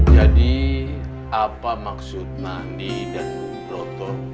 jadi apa maksud nandi dan broto